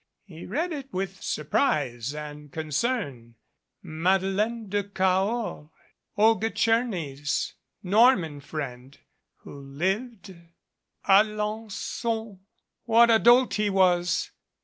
He read it with surprise and concern. "Madeleine de Cahors !" Olga Tcherny's Norman friend who lived Alen^on ! What a dolt he was